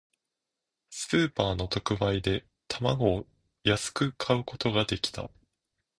スーパーの特売で、卵を安く買うことができた。